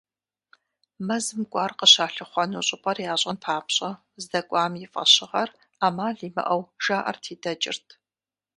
Мэзым кӏуар къыщалъыхъуэну щӏыпӏэр ящӏэн папщӏэ, здэкӏуэм и фӏэщыгъэр, ӏэмал имыӏэу, жаӏэрти дэкӏырт.